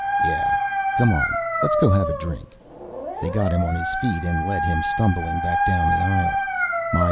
"Yeah. Come on, let's go have a drink." They got him on his feet, and led him stumbling back down the aisle.